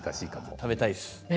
食べたいです。